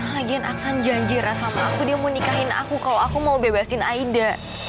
lagian aksan janji sama aku dia mau nikahin aku kalau aku mau bebasin aida